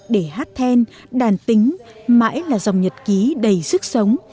để hát then đàn tính mãi là dòng nhật ký đầy sức sống